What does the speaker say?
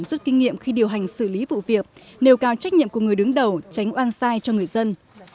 rút kinh nghiệm khi điều hành xử lý vụ việc nêu cao trách nhiệm của người đứng đầu tránh oan sai cho người dân